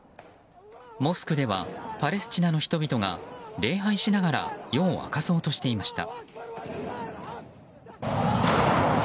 モスクではパレスチナの人々が礼拝しながら夜を明かそうとしていました。